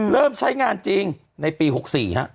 เริ่มใช้งานจริงในปี๖๔ฮะ